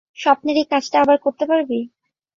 স্বপ্নের কাজটা আবার করতে পারবি?